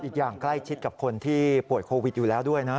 อีกอย่างใกล้ชิดกับคนที่ป่วยโควิดอยู่แล้วด้วยนะ